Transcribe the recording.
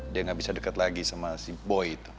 dia gak bisa deket lagi sama si boy itu